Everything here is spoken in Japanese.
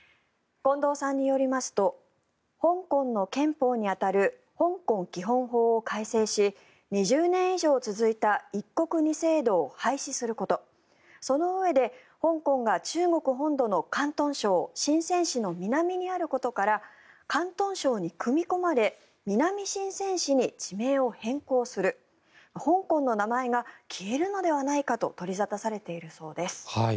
近藤さんによりますと香港の憲法に当たる香港基本法を改正し２０年以上続いた一国二制度を廃止することそのうえで香港が中国本土の広東省シンセン市の南にあることから広東省に組み込まれ南シンセン市に地名を変更する香港の名前が消えるのではないかと取り沙汰されているそうです。